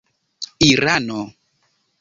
irano